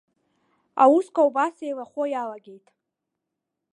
Аусқәа убас еилахәо иалагеит.